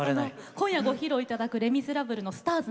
今夜ご披露いただく「レ・ミゼラブル」の「ＳＴＡＲＳ」。